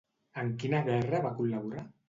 En quina guerra va col·laborar?